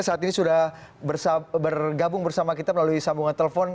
saat ini sudah bergabung bersama kita melalui sambungan telepon